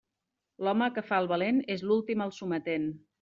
L'home que fa el valent és l'últim al sometent.